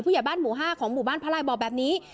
ใหญ่บ้านหมู่๕ของหมู่บ้านพระลายบอกแบบนี้